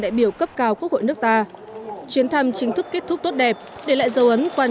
đại biểu cấp cao quốc hội nước ta chuyến thăm chính thức kết thúc tốt đẹp để lại dấu ấn quan